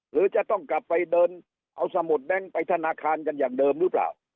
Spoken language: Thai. หรือจะต้องกลับไปเดินเอาสมุดแบงค์ไปธนาคารกันอย่างเดิมหรือเปล่า